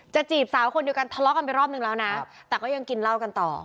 จีบสาวคนเดียวกันทะเลาะกันไปรอบนึงแล้วนะแต่ก็ยังกินเหล้ากันต่อ